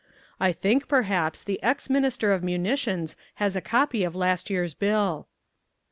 I think, perhaps, the Ex Minister of Munitions has a copy of last year's bill."